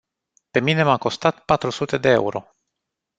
Pe mine m-a costat patru sute de euro.